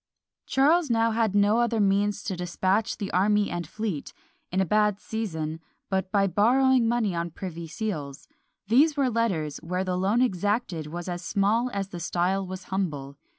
Charles now had no other means to despatch the army and fleet, in a bad season, but by borrowing money on privy seals: these were letters, where the loan exacted was as small as the style was humble.